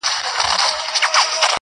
ما په قرآن کي د چا ولوستی صفت شېرينې_